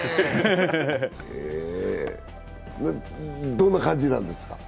どんな感じなんですか？